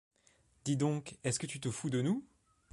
Dis donc, est-ce que tu te fous de nous ?…